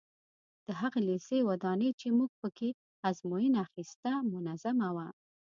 د هغه لېسې ودانۍ چې موږ په کې ازموینه اخیسته منظمه وه.